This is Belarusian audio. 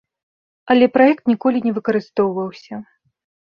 Але праект ніколі не выкарыстоўваўся.